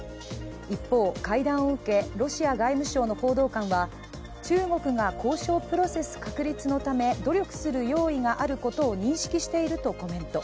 一方、会談を受け、ロシア外務省の報道官は中国が交渉プロセス確立のため努力する用意があることを認識しているとコメント。